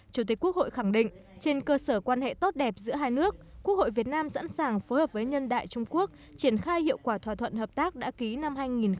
chủ tịch quốc hội khẳng định trên cơ sở quan hệ tốt đẹp giữa hai nước quốc hội việt nam sẵn sàng phối hợp với nhân đại trung quốc triển khai hiệu quả thỏa thuận hợp tác đã ký năm hai nghìn một mươi năm